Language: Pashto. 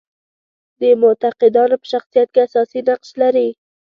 د معتقدانو په شخصیت کې اساسي نقش لري.